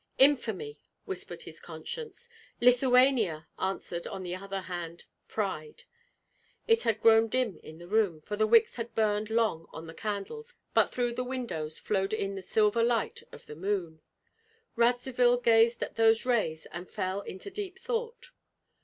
"Infamy!" whispered his conscience. "Lithuania!" answered, on the other hand, pride. It had grown dim in the room, for the wicks had burned long on the candles, but through the windows flowed in the silver light of the moon. Radzivill gazed at those rays and fell into deep thought.